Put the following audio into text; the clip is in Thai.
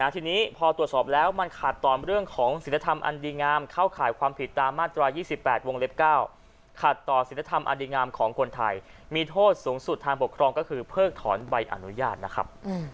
ทีนี้พอตรวจสอบแล้วมันขาดตอนเรื่องของศิลธรรมอันดีงามเข้าข่ายความผิดตามมาตรา๒๘วงเล็บ๙ขัดต่อศิลธรรมอดีงามของคนไทยมีโทษสูงสุดทางปกครองก็คือเพิกถอนใบอนุญาตนะครับ